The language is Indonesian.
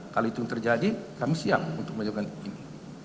kalau itu yang terjadi kami siap untuk menyebutkan ini